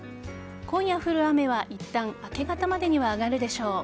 今夜降る雨はいったん明け方までには上がるでしょう。